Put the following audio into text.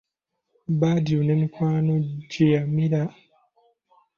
Badru ne mikwano gy'emirala mingi baaliwo.